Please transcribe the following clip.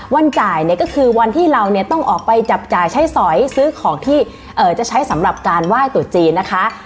วันจ่ายเนี่ยก็คือวันที่เราเนี่ยต้องออกไปจับจ่ายใช้สอยซื้อของที่จะใช้สำหรับการไหว้ตุจีนนะคะ